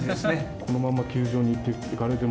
このまま球場に行かれても。